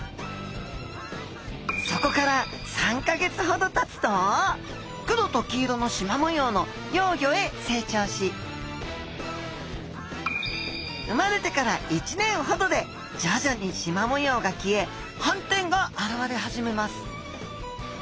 そこから３か月ほどたつと黒と黄色のしま模様の幼魚へ成長し生まれてから１年ほどで徐々にしま模様が消え斑点が現れ始めます。